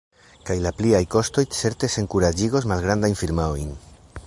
Kaj la pliaj kostoj certe senkuraĝigos malgrandajn firmaojn.